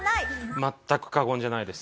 全く過言じゃないです。